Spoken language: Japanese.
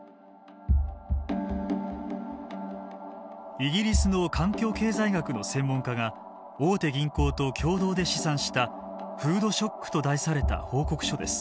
イギリスの環境経済学の専門家が大手銀行と共同で試算した「フードショック」と題された報告書です。